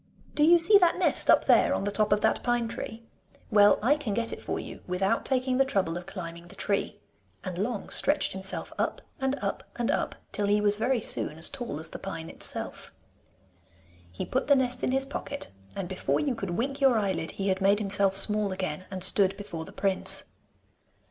Do you see that nest up there on the top of that pine tree? Well, I can get it for you without taking the trouble of climbing the tree,' and Long stretched himself up and up and up, till he was very soon as tall as the pine itself. He put the nest in his pocket, and before you could wink your eyelid he had made himself small again, and stood before the prince.